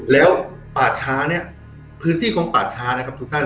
แล้วป่าช้าเนี่ยพื้นที่ของป่าช้านะครับทุกท่าน